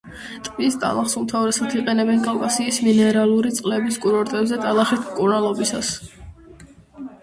ტბის ტალახს უმთავრესად იყენებენ კავკასიის მინერალური წყლების კურორტებზე ტალახით მკურნალობისას.